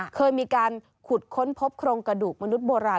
เคยมีการขุดค้นพบโครงกระดูกมนุษย์โบราณ